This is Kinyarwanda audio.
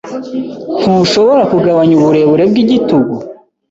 Ntushobora kugabanya uburebure bwigitugu?